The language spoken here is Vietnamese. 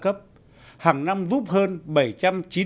các hội nông dân sản xuất kinh doanh giỏi các cấp